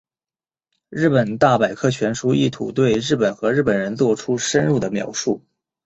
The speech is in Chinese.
日本大百科全书意图对日本和日本人作出深入的描述。